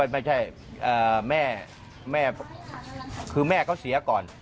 ไม่ใช่แม่คือแม่เขาเสียก่อน